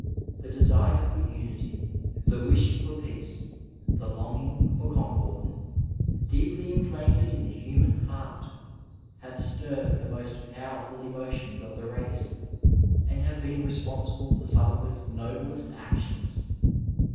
The desire for unity, the wish for peace, the longing for concord, deeply implanted in the human heart, have stirred the most powerful emotions of the race, and have been responsible for some of its noblest actions.